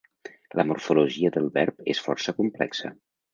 La morfologia del verb és força complexa.